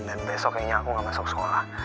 dan besok kayaknya aku gak masuk sekolah